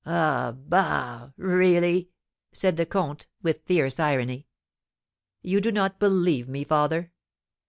"Ah! Bah! Really?" said the comte, with fierce irony. "You do not believe me, father?"